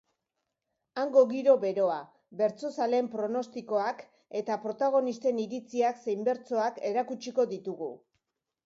Hango giro beroa, bertsozaleen pronostikoak eta protagonisten iritziak zein bertsoak erakutsiko ditugu.